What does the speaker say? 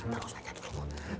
terus aja dulu